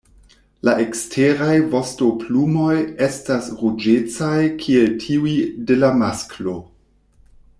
La eksteraj vostoplumoj estas ruĝecaj kiel tiuj de la masklo.